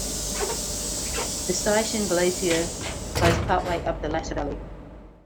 The Siachen Glacier lies part way up the latter valley.